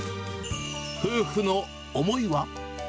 夫婦の思いは。